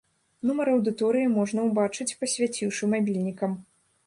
Нумар аўдыторыі можна ўбачыць, пасвяціўшы мабільнікам.